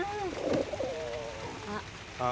あっ！